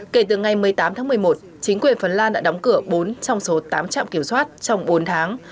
kể từ ngày một mươi tám tháng một mươi một chính quyền phần lan đã đóng cửa bốn trong số tám trạm kiểm soát trong bốn tháng